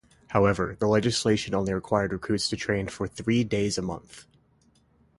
However, the legislation only required recruits to train for three days a month.